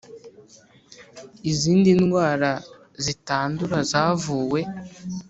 izindi ndwara zitandura zavuwe